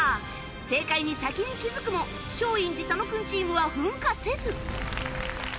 正解に先に気づくも松陰寺・楽君チームは噴火せず